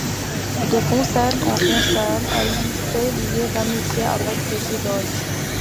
De concert en concert, elle s'est liée d'amitié avec ses idoles.